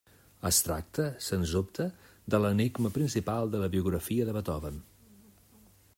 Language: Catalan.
Es tracta, sens dubte, de l'enigma principal de la biografia de Beethoven.